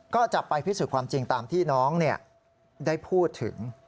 ก็จะไปพิสูจน์ความจริงตามที่น้องได้พูดถึง